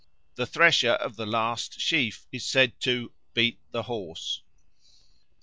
The thresher of the last sheaf is said to "beat the Horse." 9.